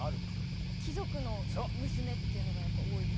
「貴族の娘」っていうのがやっぱ多いですね。